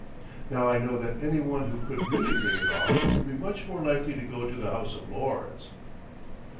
Now I know that any one who could really bring it off would be much more likely to go to the House of Lords!